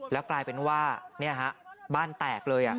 แล้วกลายเป็นว่าเนี่ยฮะบ้านแตกเลยอ่ะ